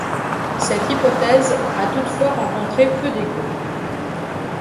Cette hypothèse a toutefois rencontré peu d'écho.